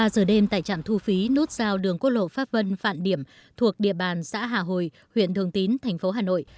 hai mươi ba giờ đêm tại trạm thu phí nút sao đường quốc lộ pháp vân phạn điểm thuộc địa bàn xã hà hồi huyện thường tín thành phố hà nội